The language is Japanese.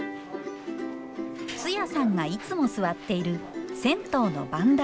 ツヤさんがいつも座っている銭湯の番台。